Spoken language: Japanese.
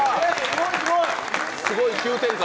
すごい急展開。